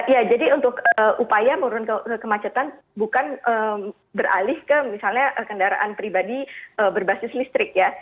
ya jadi untuk upaya menurunkan kemacetan bukan beralih ke misalnya kendaraan pribadi berbasis listrik ya